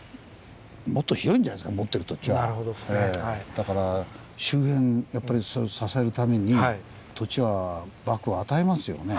だから周辺やっぱり支えるために土地は幕府は与えますよね。